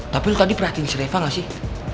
tapi lo tadi perhatiin si reva nggak sih